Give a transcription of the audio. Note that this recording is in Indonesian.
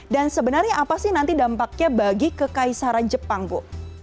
dan sebenarnya apa sih nanti dampaknya bagi kekaisaran jepang bu